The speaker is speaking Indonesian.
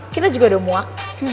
kita juga demuak